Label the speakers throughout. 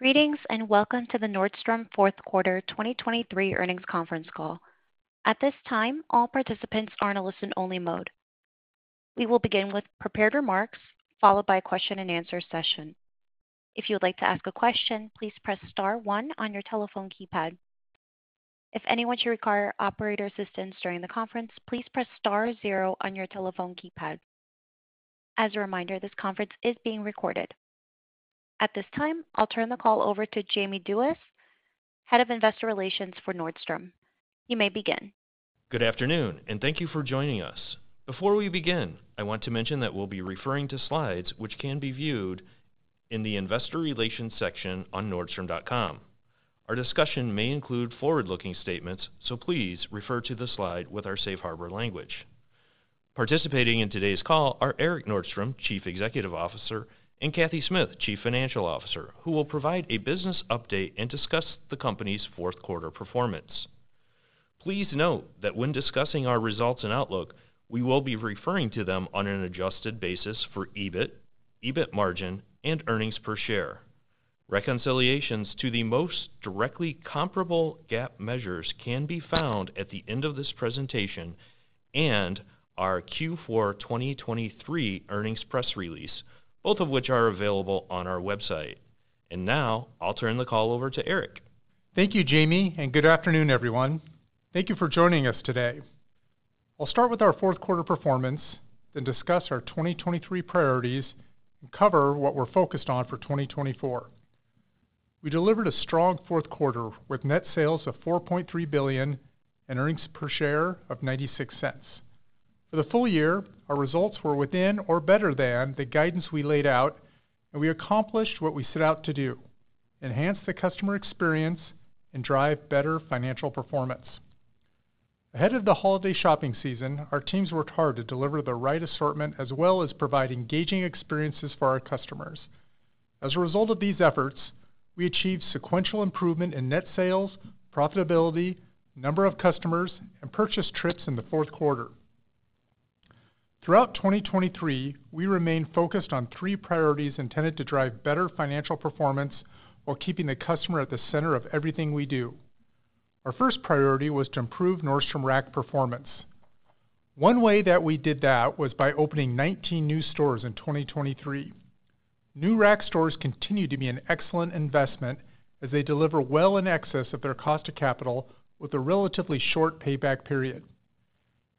Speaker 1: Greetings and welcome to the Nordstrom Fourth Quarter 2023 earnings conference call. At this time, all participants are in a listen-only mode. We will begin with prepared remarks, followed by a question-and-answer session. If you would like to ask a question, please press star one on your telephone keypad. If anyone should require operator assistance during the conference, please press star zero on your telephone keypad. As a reminder, this conference is being recorded. At this time, I'll turn the call over to Jamie Duies, Head of Investor Relations for Nordstrom. You may begin.
Speaker 2: Good afternoon, and thank you for joining us. Before we begin, I want to mention that we'll be referring to slides which can be viewed in the Investor Relations section on nordstrom.com. Our discussion may include forward-looking statements, so please refer to the slide with our safe harbor language. Participating in today's call are Erik Nordstrom, Chief Executive Officer, and Cathy Smith, Chief Financial Officer, who will provide a business update and discuss the company's fourth quarter performance. Please note that when discussing our results and outlook, we will be referring to them on an adjusted basis for EBIT, EBIT margin, and earnings per share. Reconciliations to the most directly comparable GAAP measures can be found at the end of this presentation and our Q4 2023 earnings press release, both of which are available on our website. Now I'll turn the call over to Erik.
Speaker 3: Thank you, Jamie, and good afternoon, everyone. Thank you for joining us today. I'll start with our fourth quarter performance, then discuss our 2023 priorities, and cover what we're focused on for 2024. We delivered a strong fourth quarter with net sales of $4.3 billion and earnings per share of $0.96. For the full year, our results were within or better than the guidance we laid out, and we accomplished what we set out to do: enhance the customer experience and drive better financial performance. Ahead of the holiday shopping season, our teams worked hard to deliver the right assortment as well as provide engaging experiences for our customers. As a result of these efforts, we achieved sequential improvement in net sales, profitability, number of customers, and purchase trips in the fourth quarter. Throughout 2023, we remained focused on three priorities intended to drive better financial performance while keeping the customer at the center of everything we do. Our first priority was to improve Nordstrom Rack performance. One way that we did that was by opening 19 new stores in 2023. New Rack stores continue to be an excellent investment as they deliver well in excess of their cost of capital with a relatively short payback period.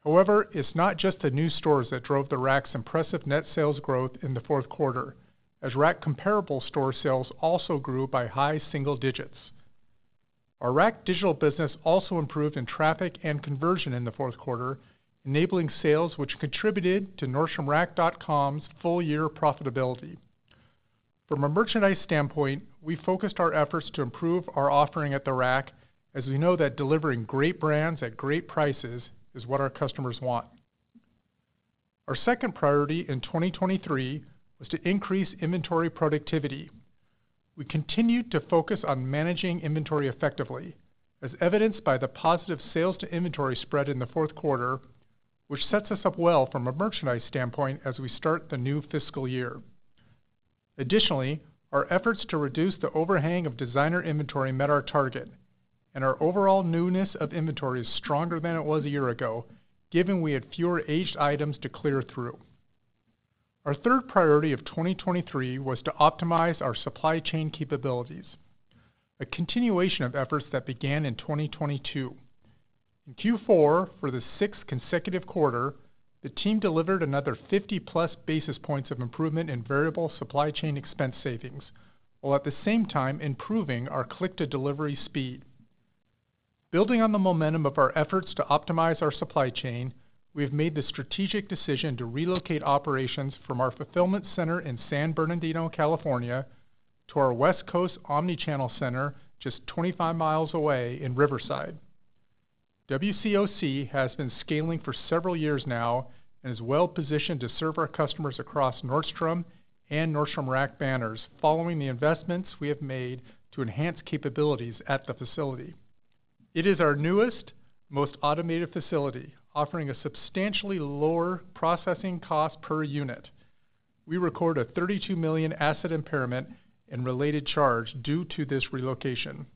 Speaker 3: However, it's not just the new stores that drove the Rack's impressive net sales growth in the fourth quarter, as Rack comparable store sales also grew by high single digits. Our Rack digital business also improved in traffic and conversion in the fourth quarter, enabling sales which contributed to nordstromrack.com's full-year profitability. From a merchandise standpoint, we focused our efforts to improve our offering at the Rack, as we know that delivering great brands at great prices is what our customers want. Our second priority in 2023 was to increase inventory productivity. We continued to focus on managing inventory effectively, as evidenced by the positive sales-to-inventory spread in the fourth quarter, which sets us up well from a merchandise standpoint as we start the new fiscal year. Additionally, our efforts to reduce the overhang of designer inventory met our target, and our overall newness of inventory is stronger than it was a year ago, given we had fewer aged items to clear through. Our third priority of 2023 was to optimize our supply chain capabilities, a continuation of efforts that began in 2022. In Q4, for the sixth consecutive quarter, the team delivered another 50+ basis points of improvement in variable supply chain expense savings, while at the same time improving our click-to-delivery speed. Building on the momentum of our efforts to optimize our supply chain, we have made the strategic decision to relocate operations from our fulfillment center in San Bernardino, California, to our West Coast Omnichannel Center just 25 miles away in Riverside. WCOC has been scaling for several years now and is well positioned to serve our customers across Nordstrom and Nordstrom Rack banners, following the investments we have made to enhance capabilities at the facility. It is our newest, most automated facility, offering a substantially lower processing cost per unit. We record a $32 million asset impairment and related charge due to this relocation.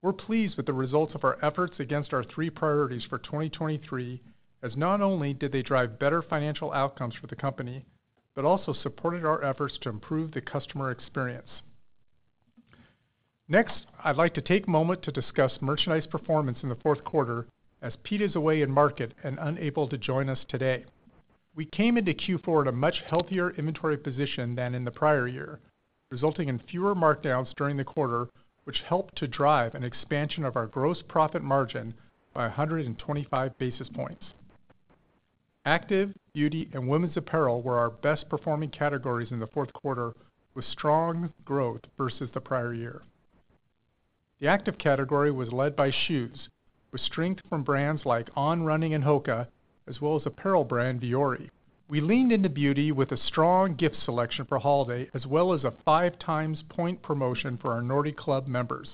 Speaker 3: We're pleased with the results of our efforts against our three priorities for 2023, as not only did they drive better financial outcomes for the company, but also supported our efforts to improve the customer experience. Next, I'd like to take a moment to discuss merchandise performance in the fourth quarter, as Pete is away in market and unable to join us today. We came into Q4 at a much healthier inventory position than in the prior year, resulting in fewer markdowns during the quarter, which helped to drive an expansion of our gross profit margin by 125 basis points. Active, beauty, and women's apparel were our best-performing categories in the fourth quarter, with strong growth versus the prior year. The active category was led by shoes, with strength from brands like On Running and Hoka, as well as apparel brand Vuori. We leaned into beauty with a strong gift selection for holiday, as well as a five times point promotion for our The Nordy Club members.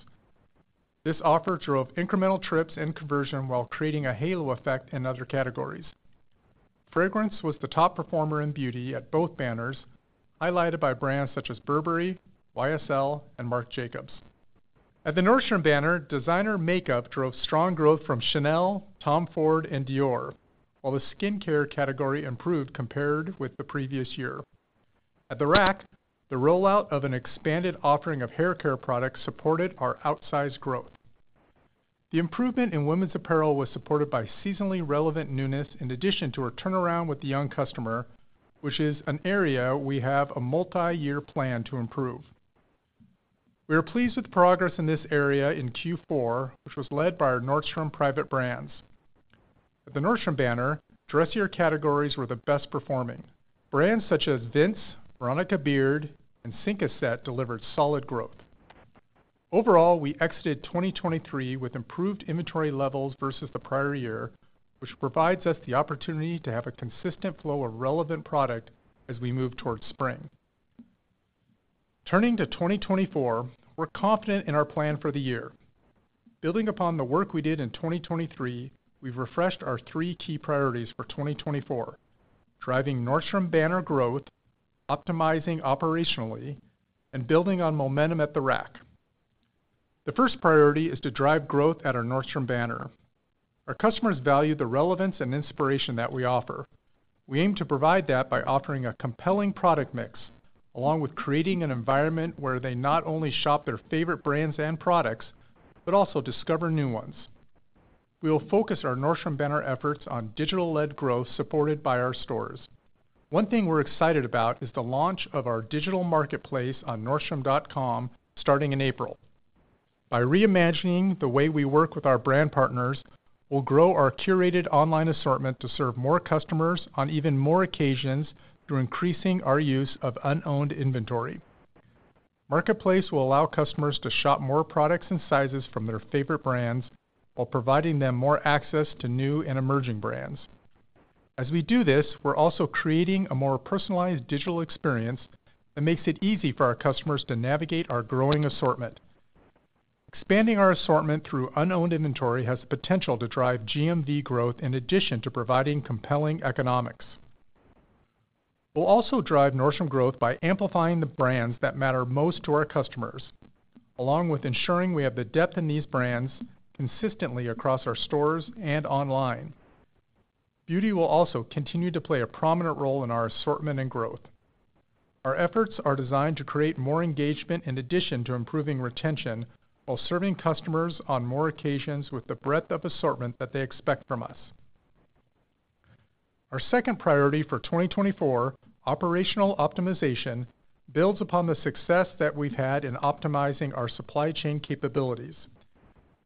Speaker 3: This offer drove incremental trips and conversion while creating a halo effect in other categories. Fragrance was the top performer in beauty at both banners, highlighted by brands such as Burberry, YSL, and Marc Jacobs. At the Nordstrom banner, designer makeup drove strong growth from Chanel, Tom Ford, and Dior, while the skincare category improved compared with the previous year. At the Rack, the rollout of an expanded offering of hair care products supported our outsized growth. The improvement in women's apparel was supported by seasonally relevant newness, in addition to our turnaround with the young customer, which is an area we have a multi-year plan to improve. We are pleased with progress in this area in Q4, which was led by our Nordstrom private brands. At the Nordstrom banner, dressier categories were the best-performing. Brands such as Vince, Veronica Beard, and Cinq à Sept delivered solid growth. Overall, we exited 2023 with improved inventory levels versus the prior year, which provides us the opportunity to have a consistent flow of relevant product as we move toward spring. Turning to 2024, we're confident in our plan for the year. Building upon the work we did in 2023, we've refreshed our three key priorities for 2024: driving Nordstrom banner growth, optimizing operationally, and building on momentum at the Rack. The first priority is to drive growth at our Nordstrom banner. Our customers value the relevance and inspiration that we offer. We aim to provide that by offering a compelling product mix, along with creating an environment where they not only shop their favorite brands and products, but also discover new ones. We will focus our Nordstrom banner efforts on digital-led growth supported by our stores. One thing we're excited about is the launch of our digital marketplace on nordstrom.com starting in April. By reimagining the way we work with our brand partners, we'll grow our curated online assortment to serve more customers on even more occasions through increasing our use of unowned inventory. Marketplace will allow customers to shop more products and sizes from their favorite brands, while providing them more access to new and emerging brands. As we do this, we're also creating a more personalized digital experience that makes it easy for our customers to navigate our growing assortment. Expanding our assortment through unowned inventory has the potential to drive GMV growth in addition to providing compelling economics. We'll also drive Nordstrom growth by amplifying the brands that matter most to our customers, along with ensuring we have the depth in these brands consistently across our stores and online. Beauty will also continue to play a prominent role in our assortment and growth. Our efforts are designed to create more engagement in addition to improving retention, while serving customers on more occasions with the breadth of assortment that they expect from us. Our second priority for 2024, operational optimization, builds upon the success that we've had in optimizing our supply chain capabilities.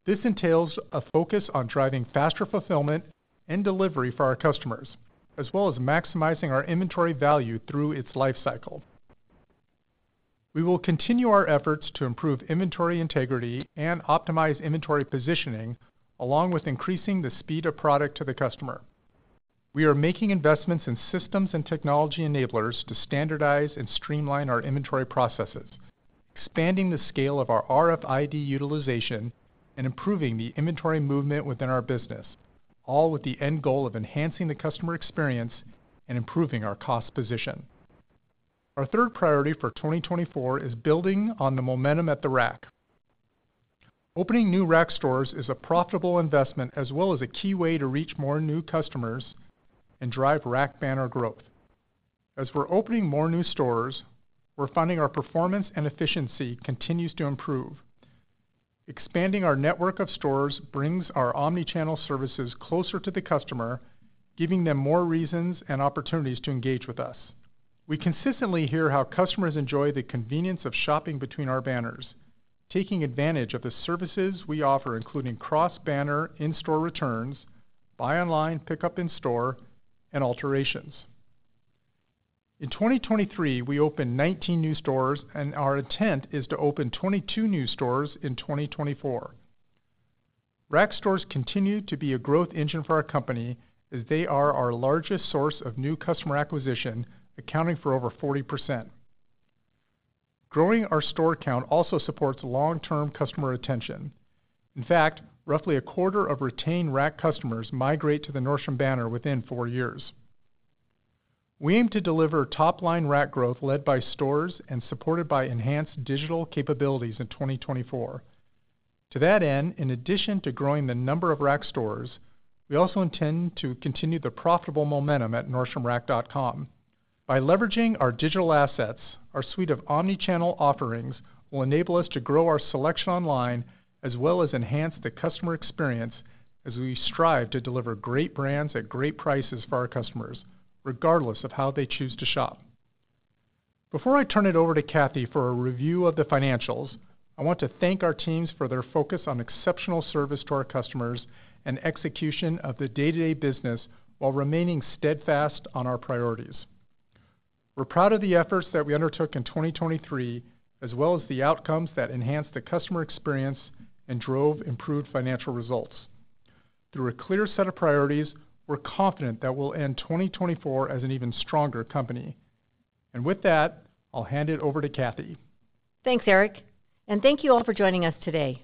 Speaker 3: This entails a focus on driving faster fulfillment and delivery for our customers, as well as maximizing our inventory value through its lifecycle. We will continue our efforts to improve inventory integrity and optimize inventory positioning, along with increasing the speed of product to the customer. We are making investments in systems and technology enablers to standardize and streamline our inventory processes, expanding the scale of our RFID utilization, and improving the inventory movement within our business, all with the end goal of enhancing the customer experience and improving our cost position. Our third priority for 2024 is building on the momentum at the Rack. Opening new Rack stores is a profitable investment, as well as a key way to reach more new customers and drive Rack banner growth. As we're opening more new stores, we're finding our performance and efficiency continues to improve. Expanding our network of stores brings our omnichannel services closer to the customer, giving them more reasons and opportunities to engage with us. We consistently hear how customers enjoy the convenience of shopping between our banners, taking advantage of the services we offer, including cross-banner in-store returns, buy-online, pickup-in-store, and alterations. In 2023, we opened 19 new stores, and our intent is to open 22 new stores in 2024. Rack stores continue to be a growth engine for our company, as they are our largest source of new customer acquisition, accounting for over 40%. Growing our store count also supports long-term customer retention. In fact, roughly a quarter of retained Rack customers migrate to the Nordstrom banner within four years. We aim to deliver top-line Rack growth led by stores and supported by enhanced digital capabilities in 2024. To that end, in addition to growing the number of Rack stores, we also intend to continue the profitable momentum at nordstromrack.com. By leveraging our digital assets, our suite of omnichannel offerings will enable us to grow our selection online, as well as enhance the customer experience as we strive to deliver great brands at great prices for our customers, regardless of how they choose to shop. Before I turn it over to Cathy for a review of the financials, I want to thank our teams for their focus on exceptional service to our customers and execution of the day-to-day business while remaining steadfast on our priorities. We're proud of the efforts that we undertook in 2023, as well as the outcomes that enhanced the customer experience and drove improved financial results. Through a clear set of priorities, we're confident that we'll end 2024 as an even stronger company. And with that, I'll hand it over to Cathy.
Speaker 4: Thanks, Erik. And thank you all for joining us today.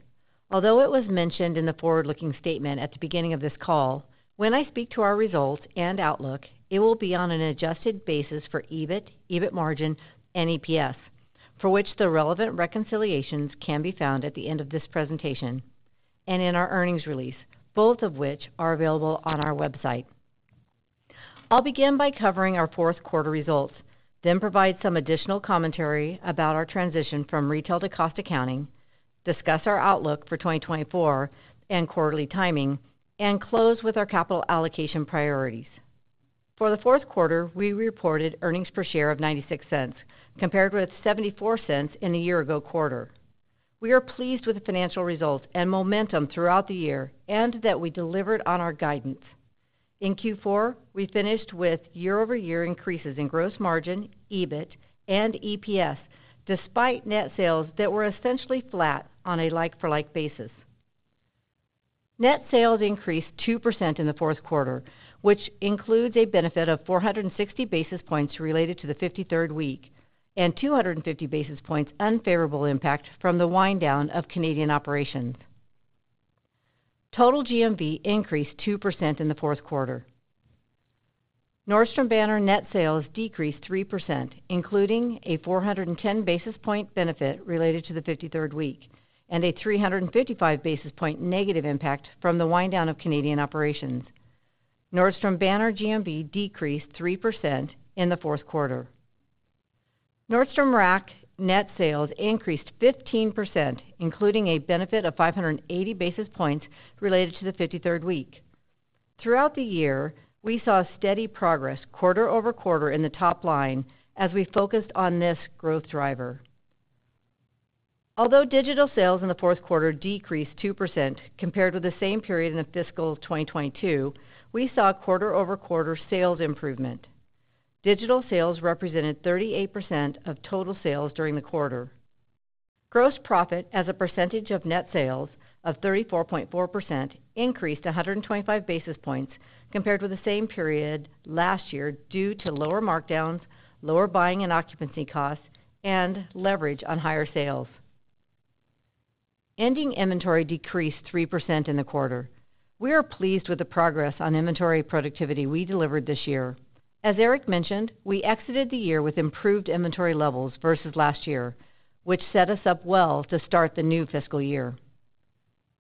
Speaker 4: Although it was mentioned in the forward-looking statement at the beginning of this call, when I speak to our results and outlook, it will be on an adjusted basis for EBIT, EBIT margin, and EPS, for which the relevant reconciliations can be found at the end of this presentation, and in our earnings release, both of which are available on our website. I'll begin by covering our fourth quarter results, then provide some additional commentary about our transition from retail to cost accounting, discuss our outlook for 2024 and quarterly timing, and close with our capital allocation priorities. For the fourth quarter, we reported earnings per share of $0.96, compared with $0.74 in the year-ago quarter. We are pleased with the financial results and momentum throughout the year and that we delivered on our guidance. In Q4, we finished with year-over-year increases in gross margin, EBIT, and EPS, despite net sales that were essentially flat on a like-for-like basis. Net sales increased 2% in the fourth quarter, which includes a benefit of 460 basis points related to the 53rd week and 250 basis points unfavorable impact from the wind-down of Canadian operations. Total GMV increased 2% in the fourth quarter. Nordstrom banner net sales decreased 3%, including a 410 basis point benefit related to the 53rd week and a 355 basis point negative impact from the wind-down of Canadian operations. Nordstrom banner GMV decreased 3% in the fourth quarter. Nordstrom Rack net sales increased 15%, including a benefit of 580 basis points related to the 53rd week. Throughout the year, we saw steady progress quarter-over-quarter in the top line as we focused on this growth driver. Although digital sales in the fourth quarter decreased 2% compared with the same period in the fiscal 2022, we saw quarter-over-quarter sales improvement. Digital sales represented 38% of total sales during the quarter. Gross profit, as a percentage of net sales, of 34.4% increased 125 basis points compared with the same period last year due to lower markdowns, lower buying and occupancy costs, and leverage on higher sales. Ending inventory decreased 3% in the quarter. We are pleased with the progress on inventory productivity we delivered this year. As Erik mentioned, we exited the year with improved inventory levels versus last year, which set us up well to start the new fiscal year.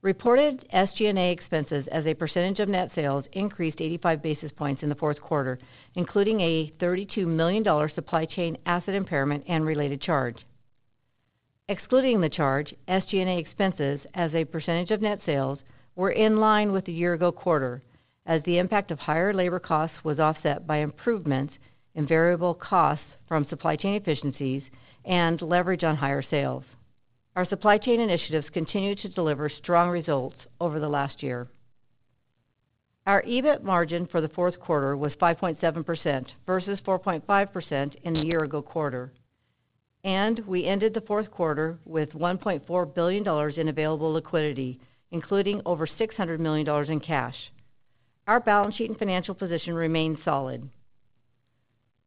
Speaker 4: Reported SG&A expenses as a percentage of net sales increased 85 basis points in the fourth quarter, including a $32 million supply chain asset impairment and related charge. Excluding the charge, SG&A expenses as a percentage of net sales were in line with the year-ago quarter, as the impact of higher labor costs was offset by improvements in variable costs from supply chain efficiencies and leverage on higher sales. Our supply chain initiatives continue to deliver strong results over the last year. Our EBIT margin for the fourth quarter was 5.7% versus 4.5% in the year-ago quarter. We ended the fourth quarter with $1.4 billion in available liquidity, including over $600 million in cash. Our balance sheet and financial position remained solid.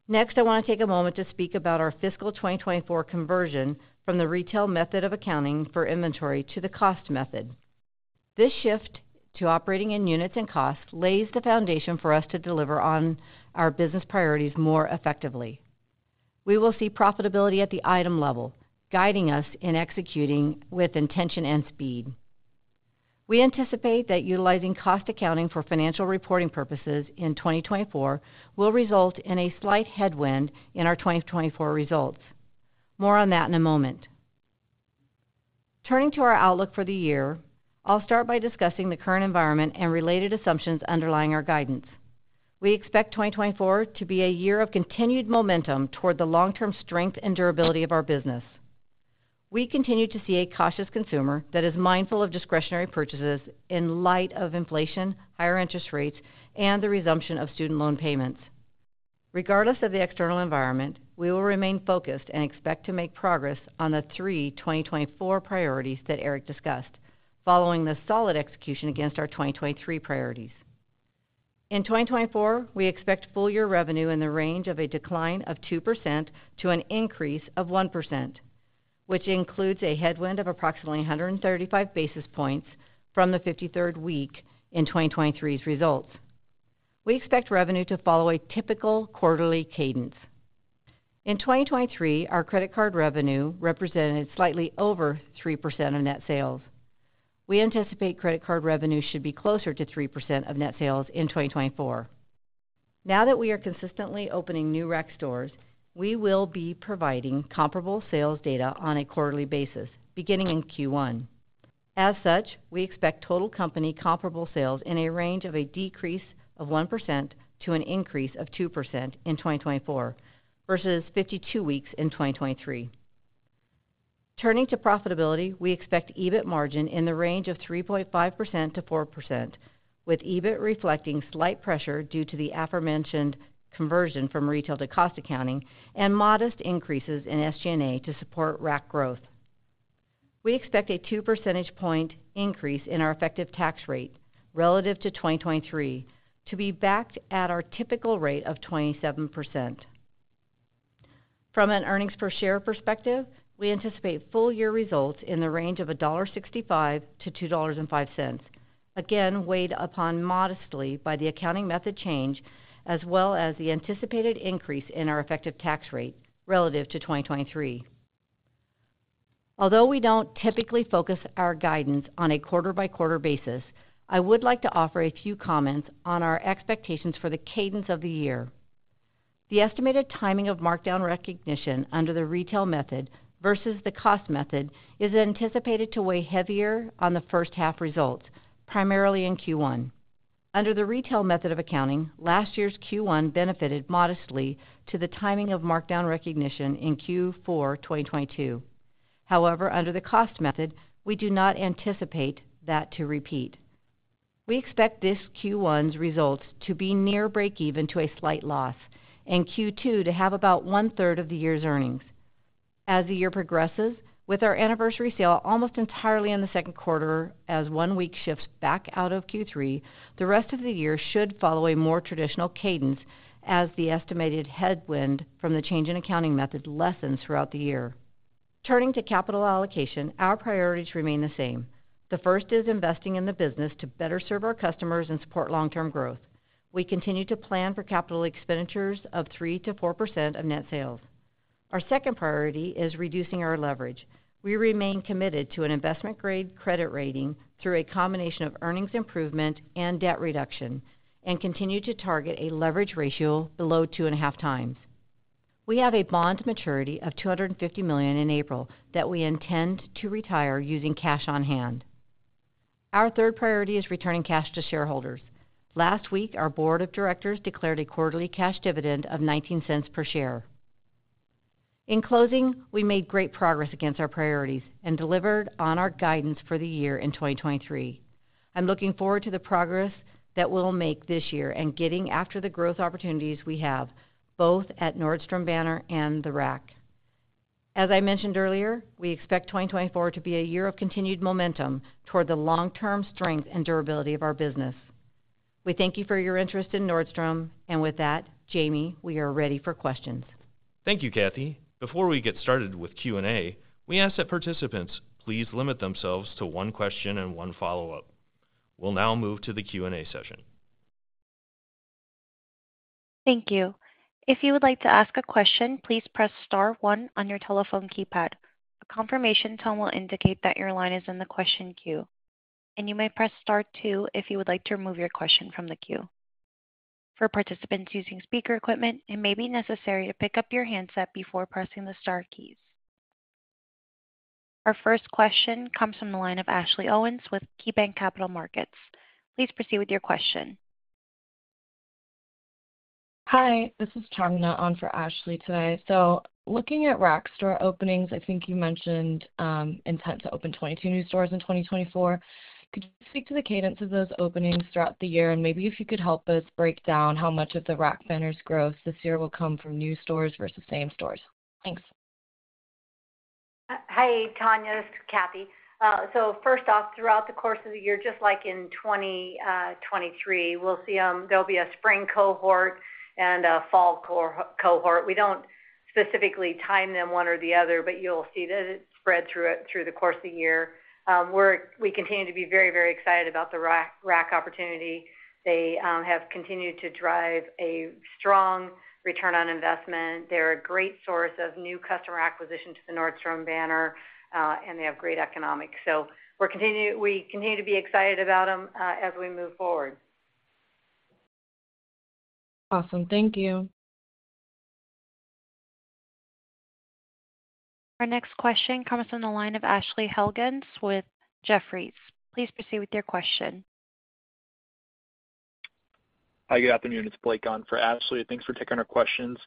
Speaker 4: Next, I want to take a moment to speak about our fiscal 2024 conversion from the retail method of accounting for inventory to the cost method. This shift to operating in units and costs lays the foundation for us to deliver on our business priorities more effectively. We will see profitability at the item level, guiding us in executing with intention and speed. We anticipate that utilizing cost accounting for financial reporting purposes in 2024 will result in a slight headwind in our 2024 results. More on that in a moment. Turning to our outlook for the year, I'll start by discussing the current environment and related assumptions underlying our guidance. We expect 2024 to be a year of continued momentum toward the long-term strength and durability of our business. We continue to see a cautious consumer that is mindful of discretionary purchases in light of inflation, higher interest rates, and the resumption of student loan payments. Regardless of the external environment, we will remain focused and expect to make progress on the three 2024 priorities that Erik discussed, following the solid execution against our 2023 priorities. In 2024, we expect full-year revenue in the range of a decline of 2% to an increase of 1%, which includes a headwind of approximately 135 basis points from the 53rd week in 2023's results. We expect revenue to follow a typical quarterly cadence. In 2023, our credit card revenue represented slightly over 3% of net sales. We anticipate credit card revenue should be closer to 3% of net sales in 2024. Now that we are consistently opening new Rack stores, we will be providing comparable sales data on a quarterly basis, beginning in Q1. As such, we expect total company comparable sales in a range of a decrease of 1% to an increase of 2% in 2024 versus 52 weeks in 2023. Turning to profitability, we expect EBIT margin in the range of 3.5%-4%, with EBIT reflecting slight pressure due to the aforementioned conversion from retail to cost accounting and modest increases in SG&A to support Rack growth. We expect a two percentage point increase in our effective tax rate relative to 2023 to be backed at our typical rate of 27%. From an earnings per share perspective, we anticipate full-year results in the range of $1.65-$2.05, again weighed upon modestly by the accounting method change as well as the anticipated increase in our effective tax rate relative to 2023. Although we don't typically focus our guidance on a quarter by quarter basis, I would like to offer a few comments on our expectations for the cadence of the year. The estimated timing of markdown recognition under the retail method versus the cost method is anticipated to weigh heavier on the first-half results, primarily in Q1. Under the retail method of accounting, last year's Q1 benefited modestly to the timing of markdown recognition in Q4 2022. However, under the cost method, we do not anticipate that to repeat. We expect this Q1's results to be near break-even to a slight loss and Q2 to have about one-third of the year's earnings. As the year progresses, with our Anniversary Sale almost entirely in the second quarter as one week shifts back out of Q3, the rest of the year should follow a more traditional cadence as the estimated headwind from the change in accounting method lessens throughout the year. Turning to capital allocation, our priorities remain the same. The first is investing in the business to better serve our customers and support long-term growth. We continue to plan for capital expenditures of 3%-4% of net sales. Our second priority is reducing our leverage. We remain committed to an investment-grade credit rating through a combination of earnings improvement and debt reduction and continue to target a leverage ratio below 2.5x. We have a bond maturity of $250 million in April that we intend to retire using cash on hand. Our third priority is returning cash to shareholders. Last week, our board of directors declared a quarterly cash dividend of $0.19 per share. In closing, we made great progress against our priorities and delivered on our guidance for the year in 2023. I'm looking forward to the progress that we'll make this year and getting after the growth opportunities we have, both at Nordstrom banner and the Rack. As I mentioned earlier, we expect 2024 to be a year of continued momentum toward the long-term strength and durability of our business. We thank you for your interest in Nordstrom. And with that, Jamie, we are ready for questions.
Speaker 2: Thank you, Cathy. Before we get started with Q&A, we ask that participants please limit themselves to one question and one follow-up. We'll now move to the Q&A session.
Speaker 1: Thank you. If you would like to ask a question, please press star one on your telephone keypad. A confirmation tone will indicate that your line is in the question queue. And you may press star two if you would like to remove your question from the queue. For participants using speaker equipment, it may be necessary to pick up your handset before pressing the star keys. Our first question comes from the line of Ashley Owens with KeyBanc Capital Markets. Please proceed with your question.
Speaker 5: Hi. This is Shanna on for Ashley today. So looking at Rack store openings, I think you mentioned intent to open 22 new stores in 2024. Could you speak to the cadence of those openings throughout the year? And maybe if you could help us break down how much of the Rack Banner's growth this year will come from new stores versus same stores. Thanks.
Speaker 4: Hi, Shanna. This is Cathy. So first off, throughout the course of the year, just like in 2023, there'll be a spring cohort and a fall cohort. We don't specifically time them one or the other, but you'll see that it spreads through the course of the year. We continue to be very, very excited about the Rack opportunity. They have continued to drive a strong return on investment. They're a great source of new customer acquisition to the Nordstrom Banner, and they have great economics. So we continue to be excited about them as we move forward.
Speaker 5: Awesome. Thank you.
Speaker 1: Our next question comes from the line of Ashley Helgans with Jefferies. Please proceed with your question.
Speaker 6: Hi. Good afternoon. It's Blake on for Ashley. Thanks for taking our questions.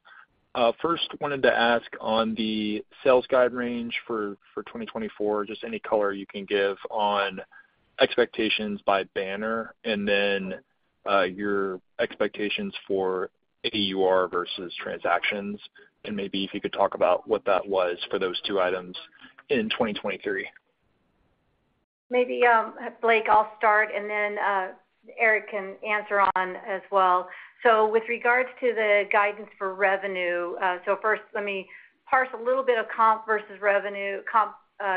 Speaker 6: First, wanted to ask on the sales guide range for 2024, just any color you can give on expectations by Banner and then your expectations for AUR versus transactions. And maybe if you could talk about what that was for those two items in 2023.
Speaker 4: Maybe, Blake, I'll start, and then Erik can answer on as well. So with regards to the guidance for revenue so first, let me parse a little bit of comp versus revenue comp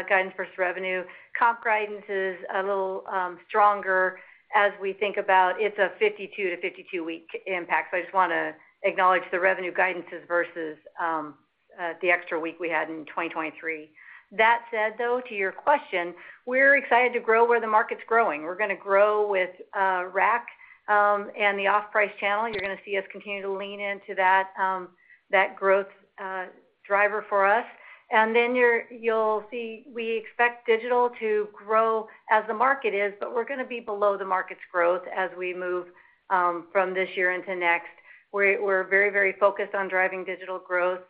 Speaker 4: guidance versus revenue. Comp guidance is a little stronger as we think about it's a 52- to 52-week impact. So I just want to acknowledge the revenue guidances versus the extra week we had in 2023. That said, though, to your question, we're excited to grow where the market's growing. We're going to grow with Rack and the off-price channel. You're going to see us continue to lean into that growth driver for us. And then you'll see we expect digital to grow as the market is, but we're going to be below the market's growth as we move from this year into next. We're very, very focused on driving digital growth.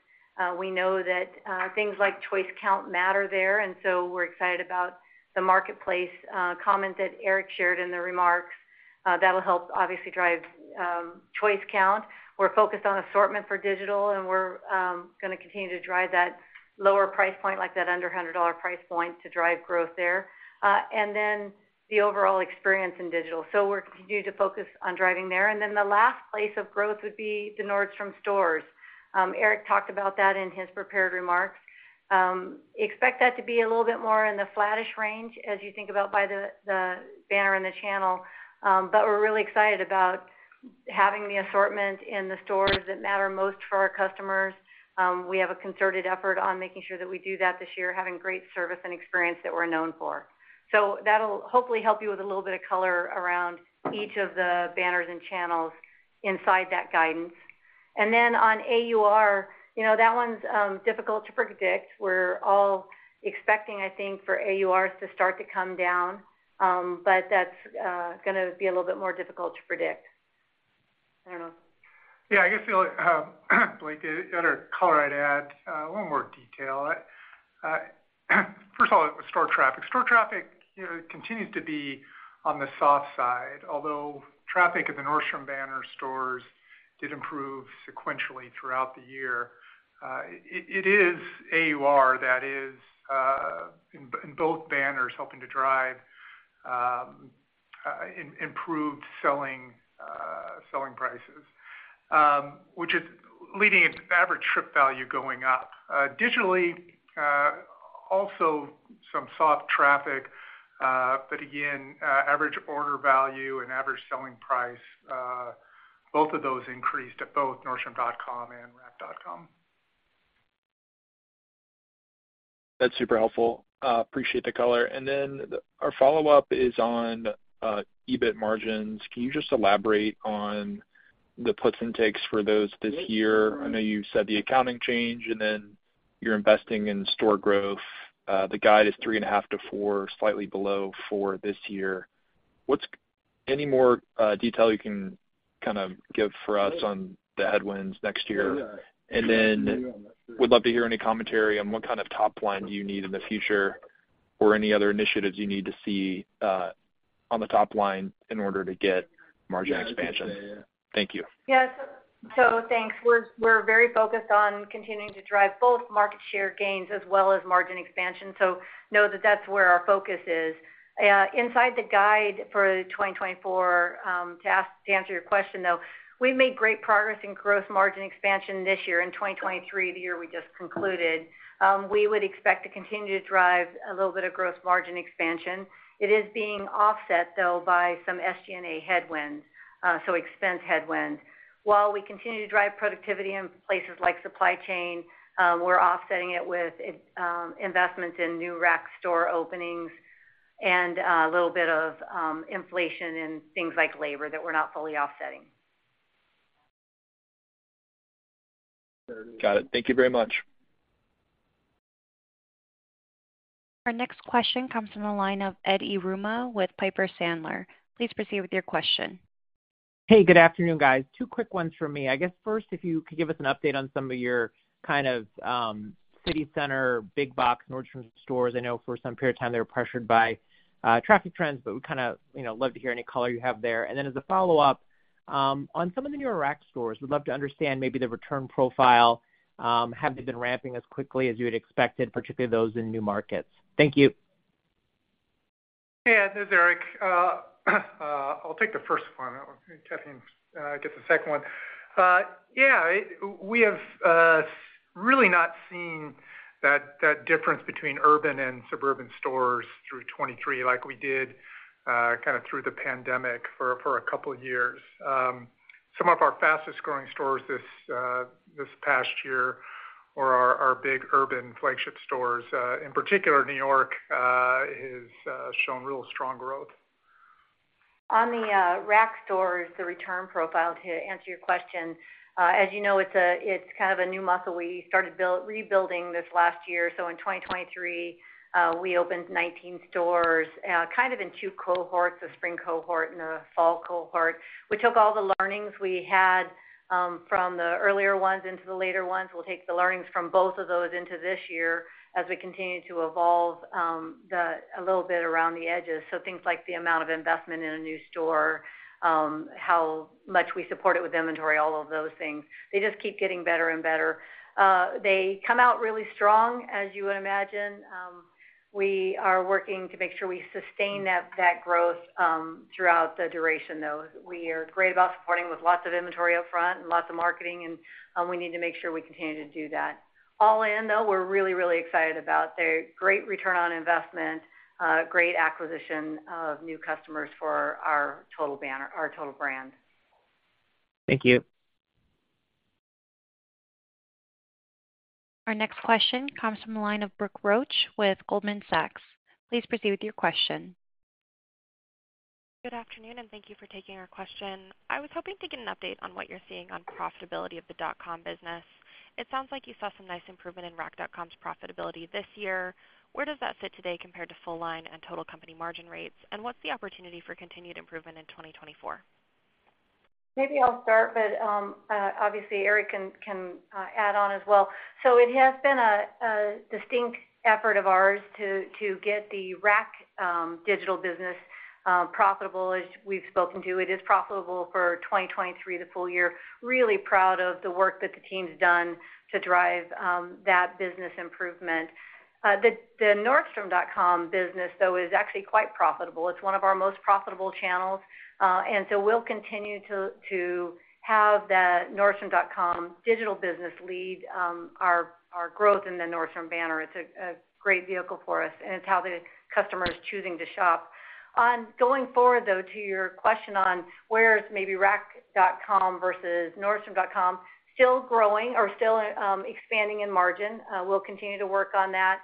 Speaker 4: We know that things like choice count matter there. So we're excited about the marketplace comments that Erik shared in the remarks. That'll help, obviously, drive choice count. We're focused on assortment for digital, and we're going to continue to drive that lower price point, like that under $100 price point, to drive growth there. And then the overall experience in digital. So we're continuing to focus on driving there. And then the last place of growth would be the Nordstrom stores. Erik talked about that in his prepared remarks. Expect that to be a little bit more in the flattish range as you think about by the banner and the channel. But we're really excited about having the assortment in the stores that matter most for our customers. We have a concerted effort on making sure that we do that this year, having great service and experience that we're known for. So that'll hopefully help you with a little bit of color around each of the Banners and channels inside that guidance. And then on AUR, that one's difficult to predict. We're all expecting, I think, for AURs to start to come down, but that's going to be a little bit more difficult to predict. I don't know.
Speaker 3: Yeah. I guess, Blake, the other color I'd add, a little more detail. First of all, store traffic. Store traffic continues to be on the soft side, although traffic at the Nordstrom Banner stores did improve sequentially throughout the year. It is AUR that is, in both Banners, helping to drive improved selling prices, leading average trip value going up. Digitally, also some soft traffic. But again, average order value and average selling price, both of those increased at both nordstrom.com and nordstromrack.com.
Speaker 6: That's super helpful. Appreciate the color. And then our follow-up is on EBIT margins. Can you just elaborate on the puts and takes for those this year? I know you said the accounting change and then you're investing in store growth. The guide is three and half to four slightly below for this year. Any more detail you can kind of give for us on the headwinds next year? And then would love to hear any commentary on what kind of top line do you need in the future or any other initiatives you need to see on the top line in order to get margin expansion. Thank you.
Speaker 4: Yeah. So thanks. We're very focused on continuing to drive both market share gains as well as margin expansion. So know that that's where our focus is. Inside the guide for 2024, to answer your question, though, we've made great progress in gross margin expansion this year. In 2023, the year we just concluded, we would expect to continue to drive a little bit of gross margin expansion. It is being offset, though, by some SG&A headwinds, so expense headwinds. While we continue to drive productivity in places like supply chain, we're offsetting it with investments in new Rack store openings and a little bit of inflation in things like labor that we're not fully offsetting.
Speaker 6: Got it. Thank you very much.
Speaker 1: Our next question comes from the line of Ed Yruma with Piper Sandler. Please proceed with your question.
Speaker 7: Hey. Good afternoon, guys. Two quick ones from me. I guess first, if you could give us an update on some of your kind of city center, big box Nordstrom stores. I know for some period of time, they were pressured by traffic trends, but we'd kind of love to hear any color you have there. And then as a follow-up, on some of the newer Rack stores, we'd love to understand maybe the return profile. Have they been ramping as quickly as you had expected, particularly those in new markets? Thank you.
Speaker 3: Yeah. This is Erik. I'll take the first one. Cathy, get the second one. Yeah. We have really not seen that difference between urban and suburban stores through 2023 like we did kind of through the pandemic for a couple of years. Some of our fastest-growing stores this past year or our big urban flagship stores, in particular New York, has shown real strong growth.
Speaker 4: On the Rack stores, the return profile, to answer your question, as you know, it's kind of a new muscle. We started rebuilding this last year. So in 2023, we opened 19 stores kind of in two cohorts, the spring cohort and the fall cohort. We took all the learnings we had from the earlier ones into the later ones. We'll take the learnings from both of those into this year as we continue to evolve a little bit around the edges. So things like the amount of investment in a new store, how much we support it with inventory, all of those things. They just keep getting better and better. They come out really strong, as you would imagine. We are working to make sure we sustain that growth throughout the duration, though. We are great about supporting with lots of inventory upfront and lots of marketing, and we need to make sure we continue to do that. All in, though, we're really, really excited about their great return on investment, great acquisition of new customers for our total brand.
Speaker 7: Thank you.
Speaker 1: Our next question comes from the line of Brooke Roach with Goldman Sachs. Please proceed with your question.
Speaker 8: Good afternoon, and thank you for taking our question. I was hoping to get an update on what you're seeing on profitability of the dot-com business. It sounds like you saw some nice improvement in rack.com's profitability this year. Where does that sit today compared to full-line and total company margin rates? And what's the opportunity for continued improvement in 2024?
Speaker 4: Maybe I'll start, but obviously, Erik can add on as well. So it has been a distinct effort of ours to get the Rack digital business profitable, as we've spoken to. It is profitable for 2023, the full year. Really proud of the work that the team's done to drive that business improvement. The nordstrom.com business, though, is actually quite profitable. It's one of our most profitable channels. And so we'll continue to have that nordstrom.com digital business lead our growth in the Nordstrom Banner. It's a great vehicle for us, and it's how the customer is choosing to shop. Going forward, though, to your question on where's maybe rack.com versus nordstrom.com still growing or still expanding in margin, we'll continue to work on that.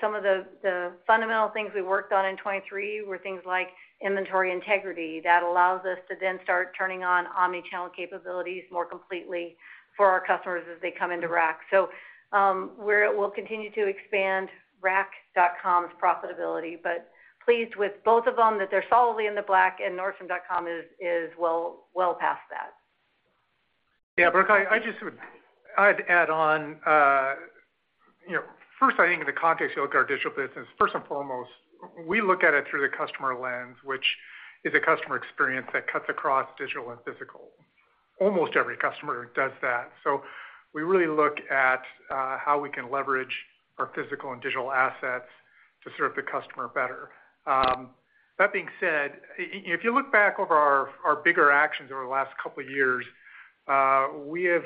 Speaker 4: Some of the fundamental things we worked on in 2023 were things like inventory integrity. That allows us to then start turning on omnichannel capabilities more completely for our customers as they come into Rack. So we'll continue to expand rack.com's profitability, but pleased with both of them, that they're solidly in the black, and nordstrom.com is well past that.
Speaker 3: Yeah. Brooke, I'd add on first, I think, in the context you look at our digital business, first and foremost, we look at it through the customer lens, which is a customer experience that cuts across digital and physical. Almost every customer does that. So we really look at how we can leverage our physical and digital assets to serve the customer better. That being said, if you look back over our bigger actions over the last couple of years, we have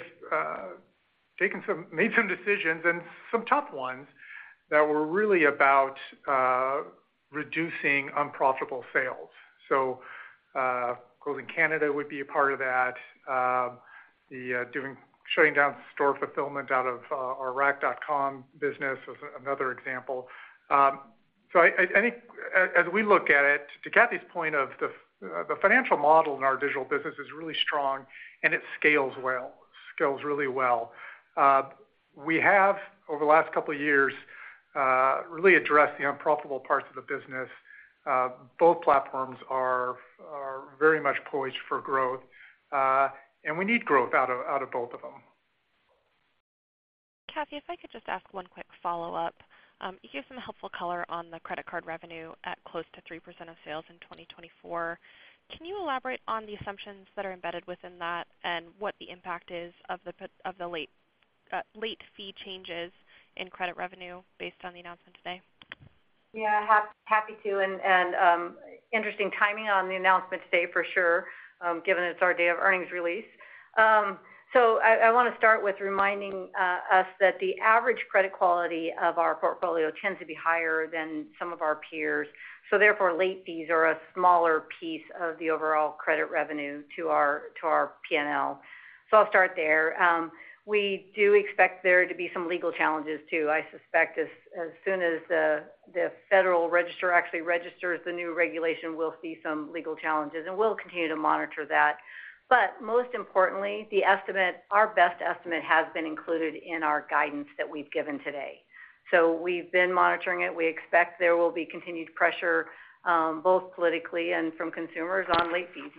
Speaker 3: made some decisions and some tough ones that were really about reducing unprofitable sales. So closing Canada would be a part of that. Shutting down store fulfillment out of our rack.com business was another example. So I think as we look at it, to Cathy's point of the financial model in our digital business is really strong, and it scales really well. We have, over the last couple of years, really addressed the unprofitable parts of the business. Both platforms are very much poised for growth, and we need growth out of both of them.
Speaker 8: Cathy, if I could just ask one quick follow-up. You gave some helpful color on the credit card revenue at close to 3% of sales in 2024. Can you elaborate on the assumptions that are embedded within that and what the impact is of the late fee changes in credit revenue based on the announcement today?
Speaker 4: Yeah. Happy to. And interesting timing on the announcement today, for sure, given it's our day of earnings release. I want to start with reminding us that the average credit quality of our portfolio tends to be higher than some of our peers. Therefore, late fees are a smaller piece of the overall credit revenue to our P&L. I'll start there. We do expect there to be some legal challenges too. I suspect as soon as the Federal Register actually registers the new regulation, we'll see some legal challenges, and we'll continue to monitor that. Most importantly, our best estimate has been included in our guidance that we've given today. We've been monitoring it. We expect there will be continued pressure, both politically and from consumers, on late fees.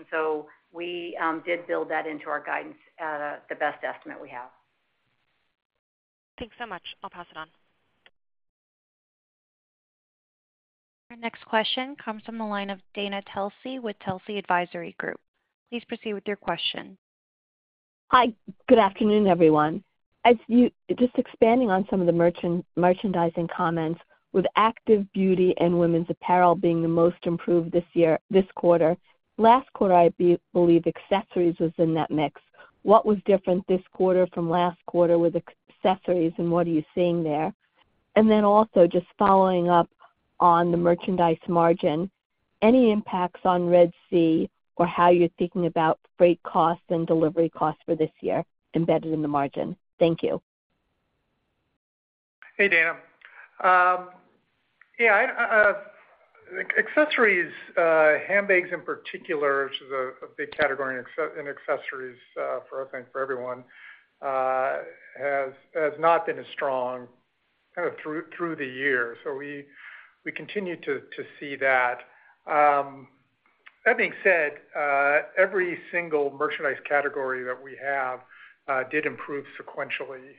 Speaker 4: We did build that into our guidance at the best estimate we have.
Speaker 8: Thanks so much. I'll pass it on.
Speaker 1: Our next question comes from the line of Dana Telsey with Telsey Advisory Group. Please proceed with your question.
Speaker 9: Hi. Good afternoon, everyone. Just expanding on some of the merchandising comments, with active beauty and women's apparel being the most improved this quarter, last quarter, I believe, accessories was in that mix. What was different this quarter from last quarter with accessories, and what are you seeing there? And then also just following up on the merchandise margin, any impacts on Red Sea or how you're thinking about freight costs and delivery costs for this year embedded in the margin? Thank you.
Speaker 3: Hey, Dana. Yeah. Accessories, handbags in particular, which is a big category in accessories for us and for everyone, has not been as strong kind of through the year. So we continue to see that. That being said, every single merchandise category that we have did improve sequentially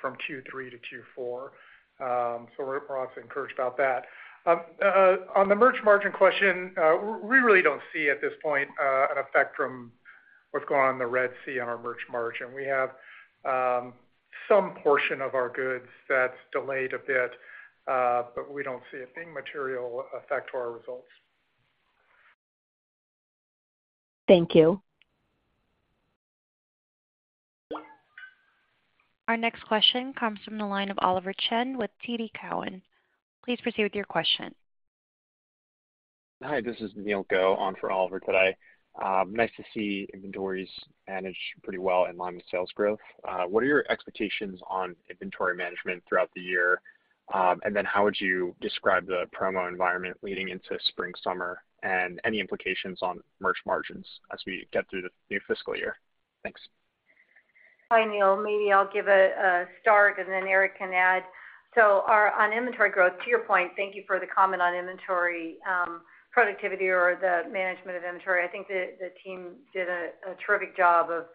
Speaker 3: from Q3 to Q4. So we're obviously encouraged about that. On the merch margin question, we really don't see at this point an effect from what's going on in the Red Sea on our merch margin. We have some portion of our goods that's delayed a bit, but we don't see it being a material effect to our results.
Speaker 9: Thank you.
Speaker 1: Our next question comes from the line of Oliver Chen with TD Cowen. Please proceed with your question.
Speaker 10: Hi. This is Neil Godbole, on for Oliver today. Nice to see inventories managed pretty well in line with sales growth. What are your expectations on inventory management throughout the year? And then how would you describe the promo environment leading into spring, summer, and any implications on merch margins as we get through the new fiscal year? Thanks.
Speaker 4: Hi, Neil. Maybe I'll give a start, and then Erik can add. So on inventory growth, to your point, thank you for the comment on inventory productivity or the management of inventory. I think the team did a terrific job of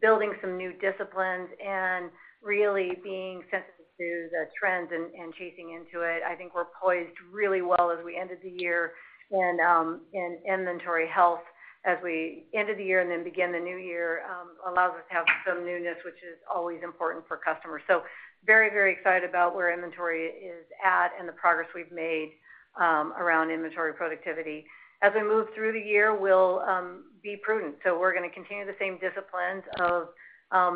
Speaker 4: building some new disciplines and really being sensitive to the trends and chasing into it. I think we're poised really well as we ended the year, and inventory health as we ended the year and then began the new year allows us to have some newness, which is always important for customers. So very, very excited about where inventory is at and the progress we've made around inventory productivity. As we move through the year, we'll be prudent. So we're going to continue the same disciplines of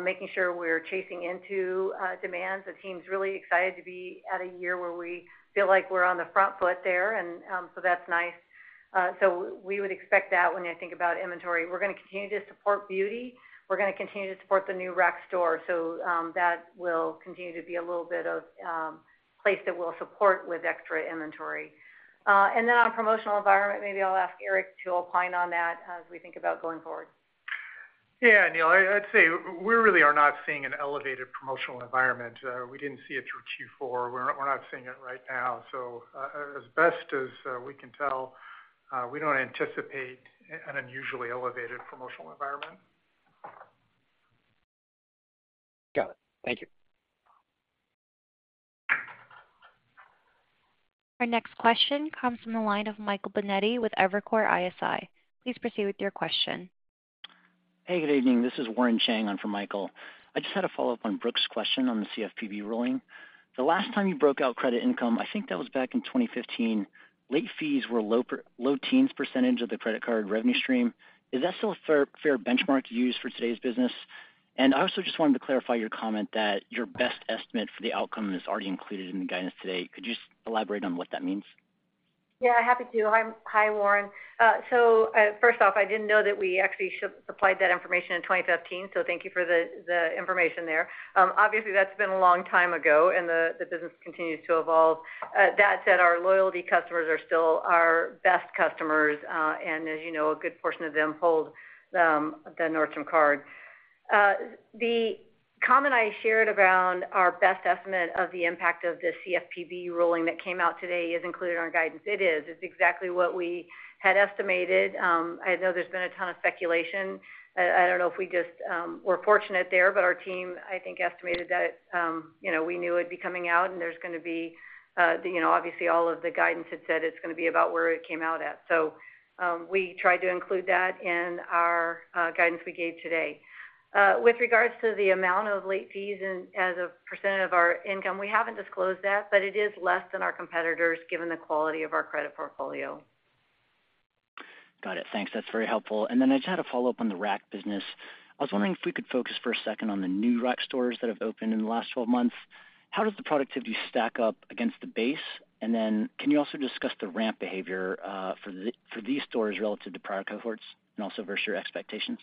Speaker 4: making sure we're chasing into demands. The team's really excited to be at a year where we feel like we're on the front foot there, and so that's nice. So we would expect that when I think about inventory. We're going to continue to support beauty. We're going to continue to support the new Rack store. So that will continue to be a little bit of a place that we'll support with extra inventory. And then on promotional environment, maybe I'll ask Erik to opine on that as we think about going forward.
Speaker 3: Yeah. Neil, I'd say we really are not seeing an elevated promotional environment. We didn't see it through Q4. We're not seeing it right now. So as best as we can tell, we don't anticipate an unusually elevated promotional environment.
Speaker 10: Got it. Thank you.
Speaker 1: Our next question comes from the line of Michael Binetti with Evercore ISI. Please proceed with your question.
Speaker 11: Hey. Good evening. This is Warren Cheng. I'm from Michael. I just had a follow-up on Brooke's question on the CFPB ruling. The last time you broke out credit income, I think that was back in 2015, late fees were low-teens % of the credit card revenue stream. Is that still a fair benchmark to use for today's business? And I also just wanted to clarify your comment that your best estimate for the outcome is already included in the guidance today. Could you just elaborate on what that means?
Speaker 4: Yeah. Happy to. Hi, Warren. So first off, I didn't know that we actually supplied that information in 2015. So thank you for the information there. Obviously, that's been a long time ago, and the business continues to evolve. That said, our loyalty customers are still our best customers, and as you know, a good portion of them hold the Nordstrom card. The comment I shared around our best estimate of the impact of the CFPB ruling that came out today is included in our guidance. It is. It's exactly what we had estimated. I know there's been a ton of speculation. I don't know if we just were fortunate there, but our team, I think, estimated that we knew it'd be coming out, and there's going to be obviously all of the guidance had said it's going to be about where it came out at. So we tried to include that in our guidance we gave today. With regards to the amount of late fees as a percentage of our income, we haven't disclosed that, but it is less than our competitors given the quality of our credit portfolio.
Speaker 11: Got it. Thanks. That's very helpful. And then I just had a follow-up on the Rack business. I was wondering if we could focus for a second on the new Rack stores that have opened in the last 12 months. How does the productivity stack up against the base? And then can you also discuss the ramp behavior for these stores relative to prior cohorts and also versus your expectations?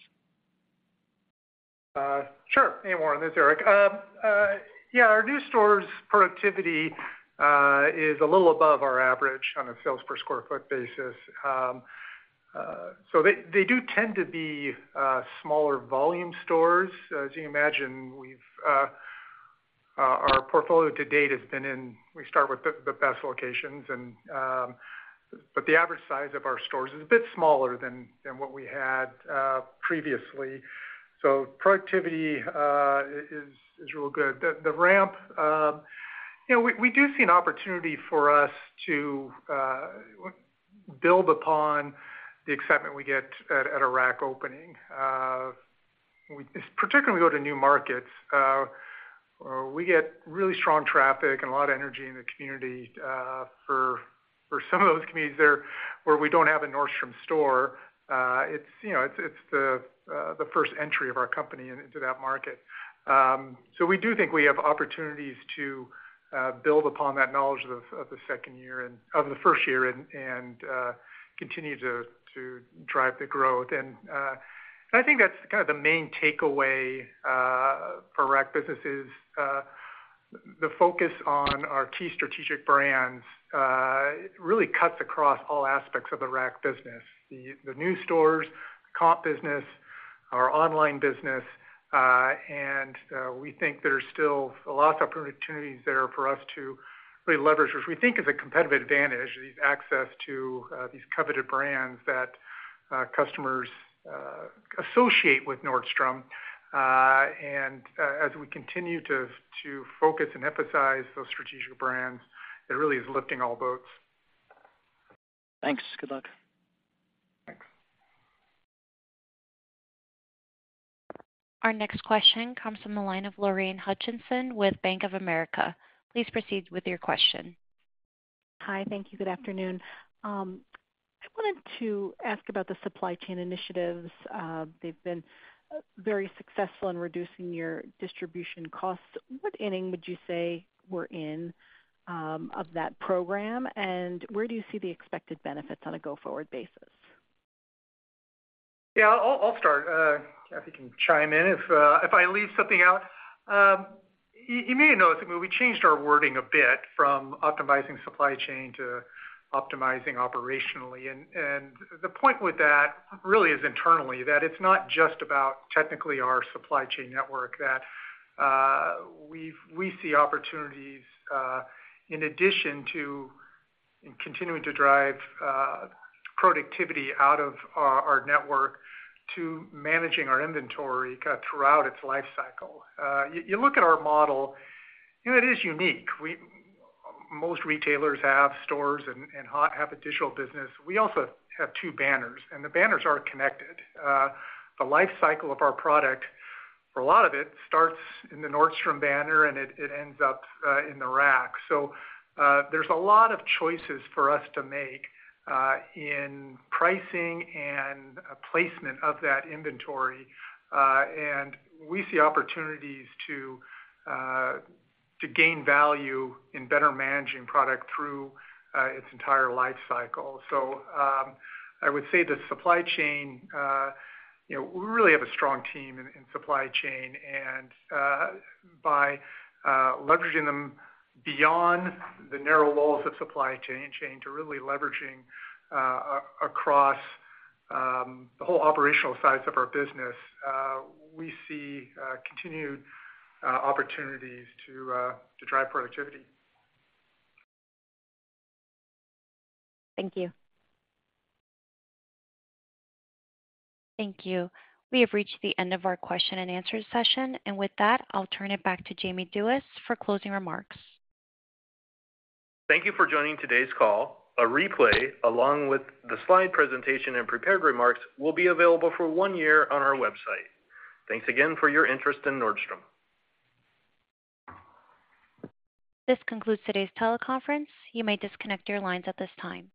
Speaker 3: Sure. Hey, Warren. This is Erik. Yeah. Our new stores' productivity is a little above our average on a sales per square foot basis. So they do tend to be smaller volume stores. As you can imagine, our portfolio to date has been in we start with the best locations, but the average size of our stores is a bit smaller than what we had previously. So productivity is real good. The ramp, we do see an opportunity for us to build upon the acceptance we get at a Rack opening. Particularly, when we go to new markets, we get really strong traffic and a lot of energy in the community. For some of those communities where we don't have a Nordstrom store, it's the first entry of our company into that market. So we do think we have opportunities to build upon that knowledge of the second year and of the first year and continue to drive the growth. And I think that's kind of the main takeaway for Rack businesses. The focus on our key strategic brands really cuts across all aspects of the Rack business: the new stores, the comp business, our online business. We think there's still lots of opportunities there for us to really leverage, which we think is a competitive advantage, these access to these coveted brands that customers associate with Nordstrom. As we continue to focus and emphasize those strategic brands, it really is lifting all boats.
Speaker 11: Thanks. Good luck.
Speaker 3: Thanks.
Speaker 1: Our next question comes from the line of Lorraine Hutchinson with Bank of America. Please proceed with your question.
Speaker 12: Hi. Thank you. Good afternoon. I wanted to ask about the supply chain initiatives. They've been very successful in reducing your distribution costs. What inning would you say we're in of that program, and where do you see the expected benefits on a go-forward basis?
Speaker 3: Yeah. I'll start. Cathy can chime in if I leave something out. You may notice that we changed our wording a bit from optimizing supply chain to optimizing operationally. The point with that really is internally, that it's not just about technically our supply chain network, that we see opportunities in addition to continuing to drive productivity out of our network to managing our inventory throughout its lifecycle. You look at our model, it is unique. Most retailers have stores and have a digital business. We also have two banners, and the banners are connected. The lifecycle of our product, for a lot of it, starts in the Nordstrom banner, and it ends up in the Rack. So there's a lot of choices for us to make in pricing and placement of that inventory. We see opportunities to gain value in better managing product through its entire lifecycle. I would say the supply chain we really have a strong team in supply chain, and by leveraging them beyond the narrow walls of supply chain to really leveraging across the whole operational sides of our business, we see continued opportunities to drive productivity.
Speaker 12: Thank you.
Speaker 1: Thank you. We have reached the end of our question and answers session. With that, I'll turn it back to Jamie Duies for closing remarks.
Speaker 2: Thank you for joining today's call. A replay along with the slide presentation and prepared remarks will be available for one year on our website. Thanks again for your interest in Nordstrom.
Speaker 1: This concludes today's teleconference. You may disconnect your lines at this time.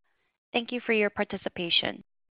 Speaker 1: Thank you for your participation.